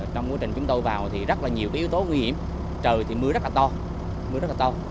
trong quá trình chúng tôi vào thì rất là nhiều yếu tố nguy hiểm trời thì mưa rất là to